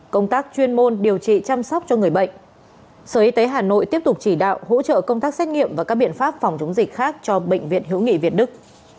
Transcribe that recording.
công tác chuyên môn điều trị chăm sóc cho người bệnh sở y tế hà nội tiếp tục chỉ đạo hỗ trợ công tác xét nghiệm và các biện pháp phòng chống dịch khác cho bệnh viện hữu nghị việt đức